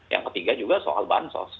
yang ketiga juga soal bansos